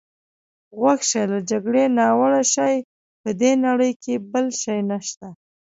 غوږ شه، له جګړې ناوړه شی په دې نړۍ کې بل نشته.